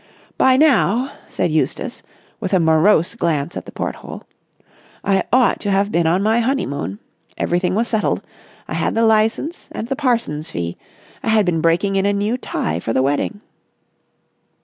By now," said Eustace, with a morose glance at the porthole, "I ought to have been on my honeymoon. Everything was settled. I had the licence and the parson's fee. I had been breaking in a new tie for the wedding."